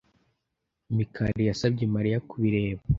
Mikali yasabye Mariya kubireba.